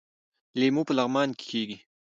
لیمو په لغمان کې کیږي